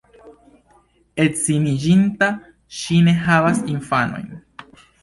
Edziniĝinta, ŝi ne havas infanojn.